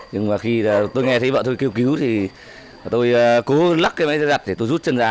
nhưng mà khi tôi nghe thấy bọn tôi kêu cứu thì tôi cố lắc cái máy giặt để tôi rút chân ra